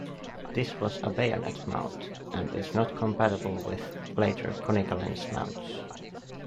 This was a bayonet mount, and is not compatible with later Konica lens mounts.